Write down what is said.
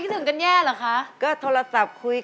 เพราะในใจเขาก็คิดถึงแม่เดี๋ยว